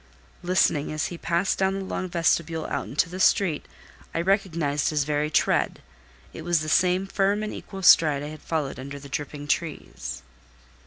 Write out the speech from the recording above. Listening, as he passed down the long vestibule out into the street, I recognised his very tread: it was the same firm and equal stride I had followed under the dripping trees.